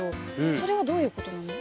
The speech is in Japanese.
それはどういうことなの？